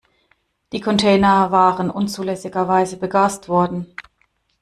Die Container waren unzulässigerweise begast worden.